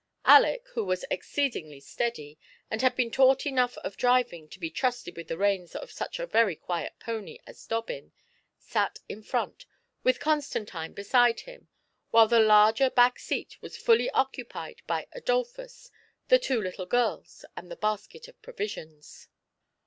Aleck, who was exceedingly 124 THE PLEASURE EXCURSION. steady, and had been taught enough of driving to be trusted with the reins of such a very cjuiet pony as Dobbin, sat in front, with Conatantine beside him, while the larger back seat was fully occupied by Adolphus, the two little girls, and the basket of provisions.